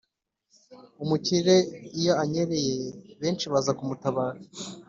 Umukire iyo anyereye, benshi baza kumutabara,